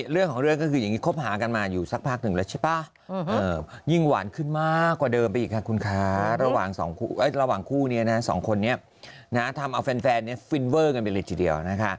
เรื่องของเรื่องก็คืออย่างนี้